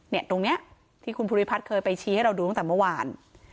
ตรงนี้ที่คุณภูริพัฒน์เคยไปชี้ให้เราดูตั้งแต่เมื่อวาน